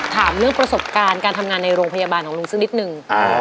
ถามเรื่องประสบการณ์การทำงานในโรงพยาบาลของลุงสักนิดนึง